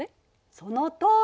そのとおり！